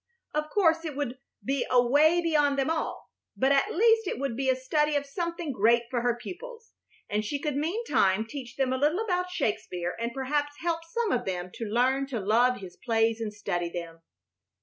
Of course it would be away beyond them all, but at least it would be a study of something great for her pupils, and she could meantime teach them a little about Shakespeare and perhaps help some of them to learn to love his plays and study them.